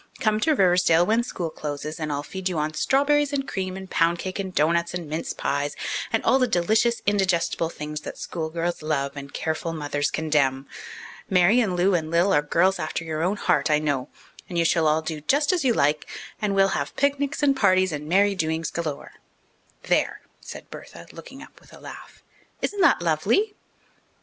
Come to Riversdale when school closes, and I'll feed you on strawberries and cream and pound cake and doughnuts and mince pies, and all the delicious, indigestible things that school girls love and careful mothers condemn. Mary and Lou and Lil are girls after your own heart, I know, and you shall all do just as you like, and we'll have picnics and parties and merry doings galore._ "There," said Bertha, looking up with a laugh. "Isn't that lovely?"